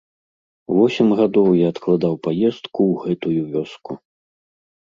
Восем гадоў я адкладаў паездку ў гэтую вёску.